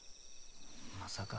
まさか。